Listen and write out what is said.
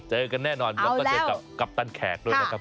เจอกันแน่นอนแล้วก็เจอกับกัปตันแขกด้วยนะครับ